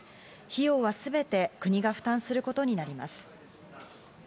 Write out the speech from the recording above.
費用はすべて国が負担することになります。